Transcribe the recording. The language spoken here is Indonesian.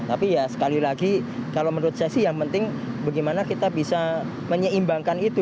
tapi ya sekali lagi kalau menurut saya sih yang penting bagaimana kita bisa menyeimbangkan itu